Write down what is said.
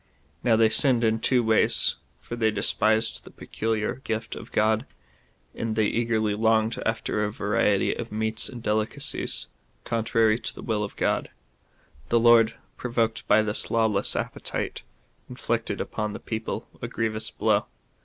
Now they sinned in two ways, for they despised the peculiar gift of God, and they eagerly longed after a variety of meats and delicacies, contrary to the will of God, The Lord, pro voked by this lawless appetite, inflicted upon the people a grievous blow.